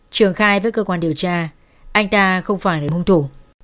trường khai với cơ quan điều tra anh ta không phải là hung thủ